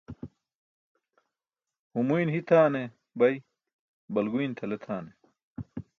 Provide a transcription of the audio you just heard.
humuyn hitʰaane bay, balguyn tʰale tʰane.